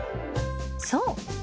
そう。